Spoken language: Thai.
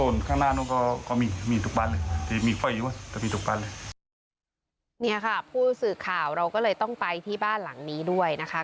นี่ค่ะผู้สื่อข่าวเราก็เลยต้องไปที่บ้านหลังนี้ด้วยนะคะ